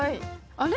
あれ？